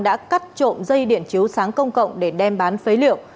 đã cắt trộm dây điện chiếu sáng công cộng để đem bán phế liệu